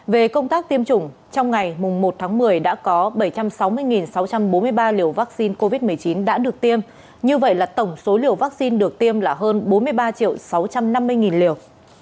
về công tác tiêm chủng trong ngày một tháng một mươi đã có bảy trăm sáu mươi sáu trăm bốn mươi ba liều vaccine covid một mươi chín đã được tiêm như vậy là tổng số liều vaccine được tiêm là hơn bốn mươi ba sáu trăm năm mươi liều